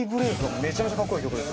めちゃめちゃカッコいい曲です。